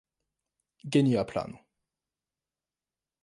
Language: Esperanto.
Genia plano.